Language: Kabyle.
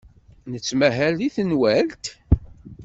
Tettmahal deg tenwalt?